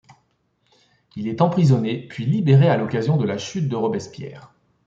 Il est emprisonné, puis libéré à l'occasion de la chute de Robespierre.